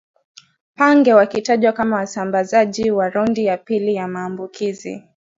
pange wakitajwa kama wasambazaji wa raundi ya pili ya maambukizi